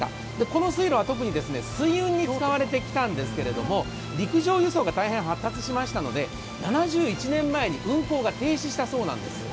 この水路は特に水運に使われてきたんですけれども、陸上輸送が大変発達しましたので７１年前に運航が停止したそうなんです。